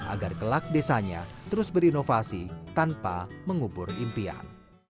agar kelak desanya terus berinovasi tanpa mengubur impian